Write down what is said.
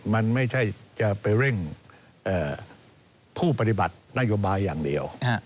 มันไม่ใช่จะไปเร่งผู้ปฏิบัตินโยบายอย่างเดียว